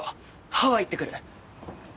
ハワイ行ってくる。